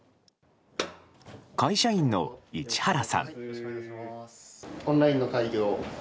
会社員の市原さん。